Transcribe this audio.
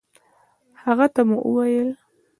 هغه ته مو وويل